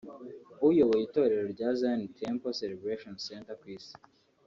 uyoboye itorero rya Zion Temple Celebration Centre ku isi